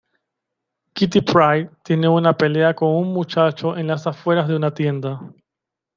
Kitty Pryde tiene una pelea con un muchacho en las afueras de una tienda.